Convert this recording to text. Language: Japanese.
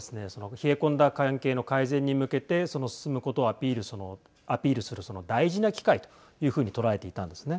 冷え込んだ関係の改善に向けてその進むことをアピールする大事な機会というふうに捉えていたんですね。